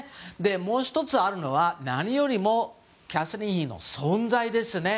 もう１つあるのは何よりもキャサリン妃の存在ですね。